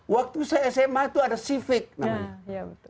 waktu saya sma tuh ada shvik namanya